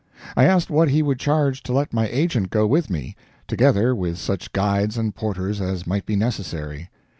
I asked what he would charge to let my agent go with me, together with such guides and porters as might be necessary.